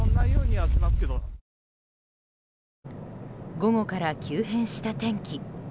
午後から急変した天気。